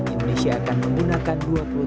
indonesia akan menggunakan